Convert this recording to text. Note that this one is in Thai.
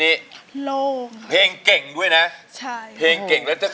ในด้านบ้านใช่มั้ยได้ครับ